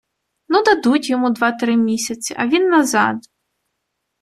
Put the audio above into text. - Ну, дадуть йому два-три місяці, а він назад...